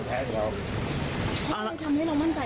ปกติเพราะว่าเพื่อนไม่ได้ทำเพื่อนยังไม่ต้องกังวลอะไร